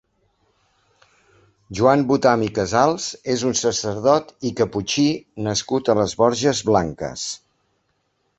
Joan Botam i Casals és un sacerdot i caputxí nascut a les Borges Blanques.